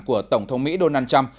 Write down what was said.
của tổng thống mỹ donald trump